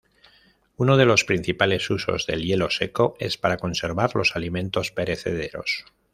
Uno de los principales usos del hielo seco es para conservar los alimentos perecederos.